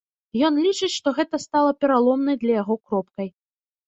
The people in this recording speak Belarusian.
Ён лічыць, што гэта стала пераломнай для яго кропкай.